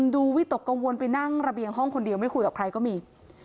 วิตกกังวลไปนั่งระเบียงห้องคนเดียวไม่คุยกับใครก็มี